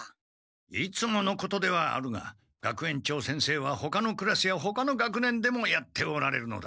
いつものことではあるが学園長先生はほかのクラスやほかの学年でもやっておられるのだ。